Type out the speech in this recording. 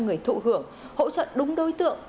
người thụ hưởng hỗ trợ đúng đối tượng